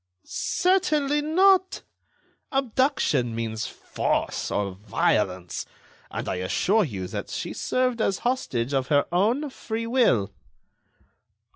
"Certainly not. Abduction means force or violence. And I assure you that she served as hostage of her own free will."